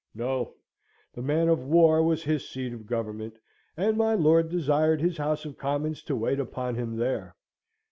No: the man of war was his seat of government, and my lord desired his House of Commons to wait upon him there.